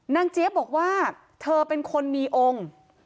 เจี๊ยบบอกว่าเธอเป็นคนมีองค์